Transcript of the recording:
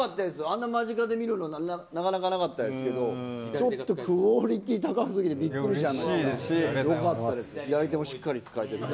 あんなに間近で見るのなかなかなかったですけどちょっとクオリティー高すぎてびっくりしました。